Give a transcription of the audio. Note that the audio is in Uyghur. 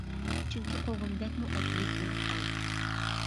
چۈنكى قوغۇن بەكمۇ ئەتلىك، ئۇرۇقى ئاز.